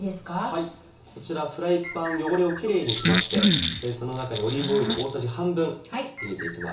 はいこちらフライパン汚れをキレイにしましてその中にオリーブオイル大さじ半分入れていきます。